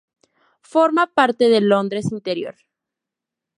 Forma parte del Londres interior.